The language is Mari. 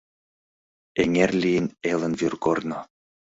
Эҥер лийын элын вӱргорно.